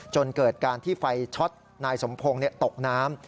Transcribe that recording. จนเกิดการที่ไฟช็อตนายสมพงศ์ตกน้ำ